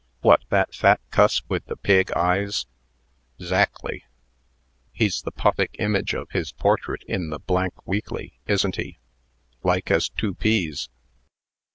"What! that fat cuss with the pig eyes?" "Zackly!" "He's the puffick image of his portrait in the Weekly, isn't he?" "Like as two peas."